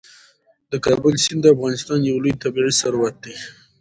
د کابل سیند د افغانستان یو لوی طبعي ثروت دی.